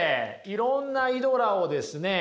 いろんなイドラをですね